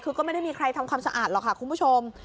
คือก็ไม่ได้มีใครทำความสะอาดหรอกค่ะคุณผู้ชม